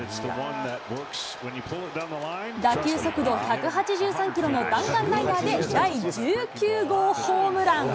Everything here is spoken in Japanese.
打球速度１８３キロの弾丸ライナーで、第１９号ホームラン。